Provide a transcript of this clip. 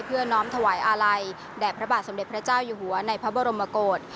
เพื่อน้องทวายอาลัยแดดพระบาทสำเร็จพระเจ้าอยู่หัวในพระบรมโมโกรธ